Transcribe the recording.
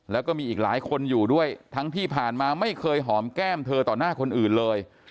แล้วก็มีอีกหลายคนอยู่ด้วยทั้งที่ผ่านมาไม่เคยหอมแก้มเธอต่อหน้าคนอื่นเลย